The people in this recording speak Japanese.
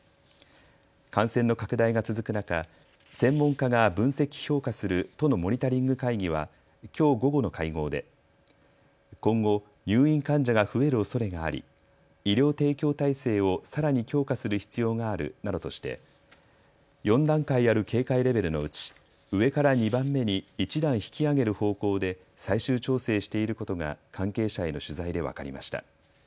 感染の拡大が続く中、専門家が分析・評価する都のモニタリング会議はきょう午後の会合で今後、入院患者が増えるおそれがあり医療提供体制をさらに強化する必要があるなどとして４段階ある警戒レベルのうち上から２番目に１段引き上げる方向で最終調整していることが関係者への取材で分かりました。